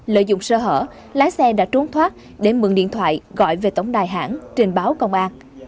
lợi dụng sơ hở lái xe đã trốn thoát để mượn điện thoại gọi về tổng đài hãng trình báo công an